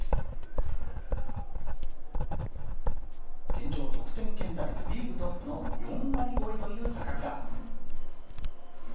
現状、得点圏打率、リーグトップの４割超えという坂倉。